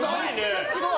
すごい！